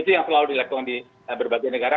itu yang selalu dilakukan di berbagai negara